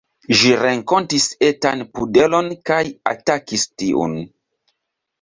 Ĝi renkontis etan pudelon kaj atakis tiun.